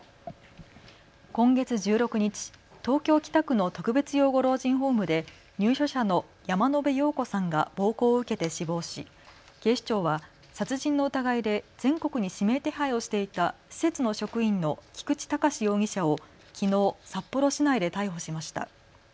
今月１６日、東京北区の特別養護老人ホームで入所者の山野邉陽子さんが暴行を受けて死亡し、警視庁は殺人の疑いで全国に指名手配をしていた施設の職員の菊池隆容疑者をきのう札幌市内で逮捕しました。